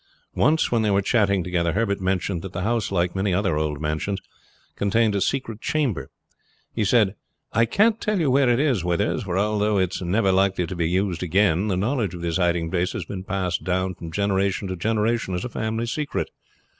Once when they were chatting together Herbert mentioned that the house like many other old mansions contained a secret chamber. He said: 'I can't tell you where it is, Withers; for although it is never likely to be used again, the knowledge of this hiding place has been passed down from generation to generation as a family secret.